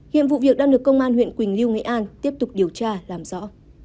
hiện vụ việc đã được công an huyện quỳnh liêu nghệ an tiếp tục điều tra làm rõ